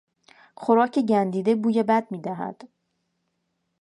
خوراک گندیده بوی بد میدهد.